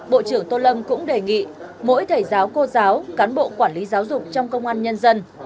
bộ trưởng tô lâm cũng đề nghị mỗi thầy giáo cô giáo cán bộ quản lý giáo dục trong công an nhân dân